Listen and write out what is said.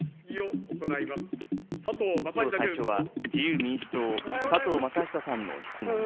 きょう最初は、自由民主党、佐藤正久さんの質問です。